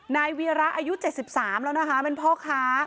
นายวีระอายุ๗๓แล้วนะคะเป็นพ่อค้า